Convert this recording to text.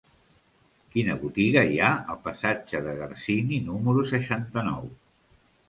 Quina botiga hi ha al passatge de Garcini número seixanta-nou?